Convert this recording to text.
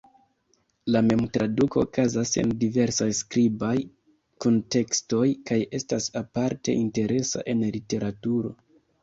La mem-traduko okazas en diversaj skribaj kuntekstoj kaj estas aparte interesa en literaturo.